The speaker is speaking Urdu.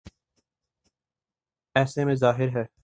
ایسے میں ظاہر ہے۔